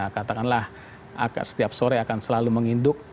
katakanlah setiap sore akan selalu menginduk